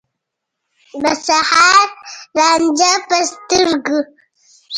د سحر رانجه په سترګو